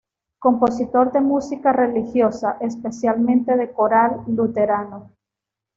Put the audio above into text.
Compositor de música religiosa, especialmente de coral luterano.